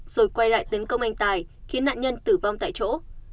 rồi quay lại tấn công anh tài khiến nạn nhân tử vong tại chỗ